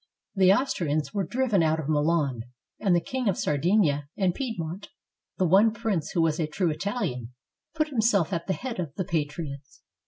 The Austrians were driven out of Milan, and the King of Sardinia and Piedmont, the one prince who was a true Italian, put himself at the head of the patriots.